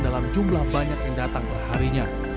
dalam jumlah banyak yang datang perharinya